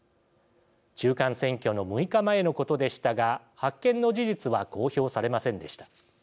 中間選挙の６日前のことでしたが発見の事実は公表されませんでした。